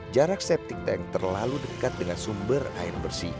jarak septic tank terlalu dekat dengan sumber air bersih